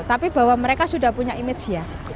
tapi bahwa mereka sudah punya image ya